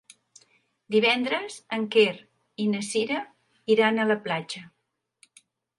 Divendres en Quer i na Cira iran a la platja.